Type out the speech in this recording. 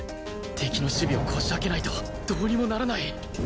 敵の守備をこじ開けないとどうにもならない